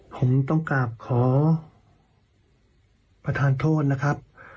ผมต้องกราบขอประธานโทษนะครับ